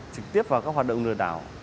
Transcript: trực tiếp vào các hoạt động lừa đảo